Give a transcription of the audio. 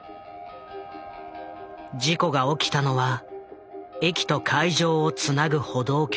事故が起きたのは駅と会場をつなぐ歩道橋。